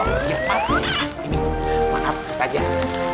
oh iya pak deh